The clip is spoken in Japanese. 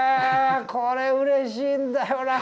これうれしいんだよな